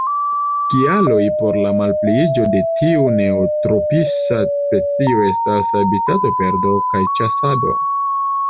Kialoj por la malpliiĝo de tiu neotropisa specio estas habitatoperdo kaj ĉasado.